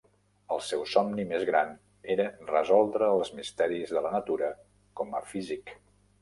El seu somni més gran era resoldre els misteris de la natura com a físic.